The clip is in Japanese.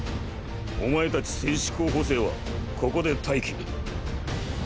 お前たち戦士候補生はここで待機。